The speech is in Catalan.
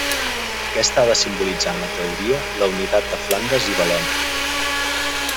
Aquesta ha de simbolitzar en la teoria la unitat de Flandes i Valònia.